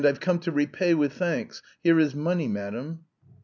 and I've come to repay with thanks.... Here is money, madam!"